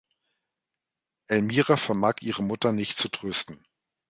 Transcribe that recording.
Elmira vermag ihre Mutter nicht zu trösten.